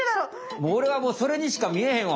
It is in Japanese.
もうおれはそれにしか見えへんわ。